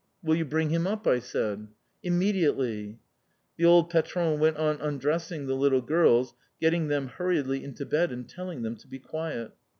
"Will you bring him up," I said. "Immediately!" The old patronne went on undressing the little girls, getting them hurriedly into bed and telling them to be quiet.